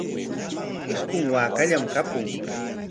Isqun waakallam kapun.